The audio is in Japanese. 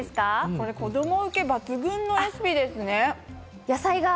これ子供ウケ抜群のレシピですね。